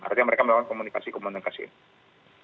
artinya mereka melakukan komunikasi komunikasi ini